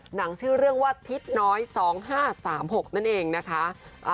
หนังชื่อเรื่องว่าทิศน้อย๒๕๓๖นั่นเองนะคะ